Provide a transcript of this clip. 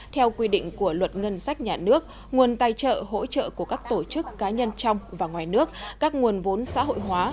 theo quy định của luật ngân sách nhà nước nguồn tài trợ hỗ trợ của các tổ chức cá nhân trong và ngoài nước các nguồn vốn xã hội hóa